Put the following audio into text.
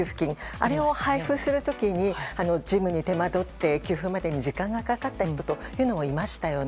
あれを配布する時に事務に手間どって給付までに時間がかかった人もいましたよね。